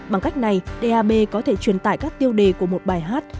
bằng cách này dap có thể truyền tải các tiêu đề của một bài hát